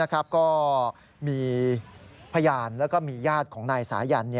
ก็มีพยานแล้วก็มีญาติของนายสายัน